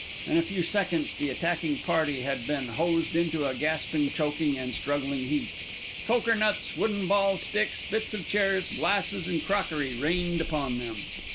In a few seconds the attacking party had been hosed into a gasping, choking, and struggling heap. Cokernuts, wooden balls, sticks, bits of chairs, glasses and crockery rained upon them.